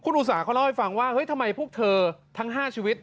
คุณอุสาเขาเล่าให้ฟังว่าทำไมพวกเธอทั้ง๕ชีวิต